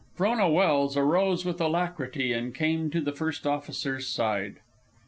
Frona Welse arose with alacrity and came to the first officer's side.